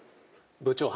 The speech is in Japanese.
部長！